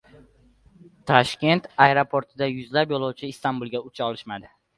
Toshkent aeroportida yuzlab yo‘lovchilar Istanbulga ucha olishmadi